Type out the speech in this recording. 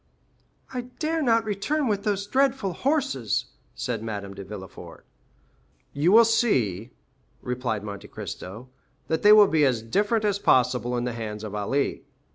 "I dare not return with those dreadful horses," said Madame de Villefort. "You will see," replied Monte Cristo, "that they will be as different as possible in the hands of Ali.